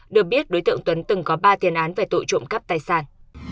được biết đối tượng tuấn từng có ba tiền án về tội trộm cắp tài sản